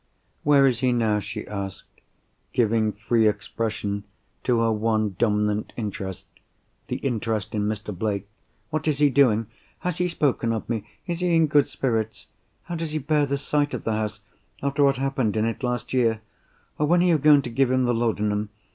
"Where is he now?" she asked, giving free expression to her one dominant interest—the interest in Mr. Blake. "What is he doing? Has he spoken of me? Is he in good spirits? How does he bear the sight of the house, after what happened in it last year? When are you going to give him the laudanum?